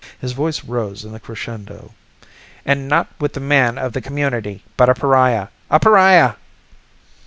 His voice rose in a crescendo. "And not with a man of the community, but a pariah! _A pariah!